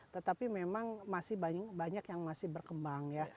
tetapi memang masih banyak yang masih berkembang ya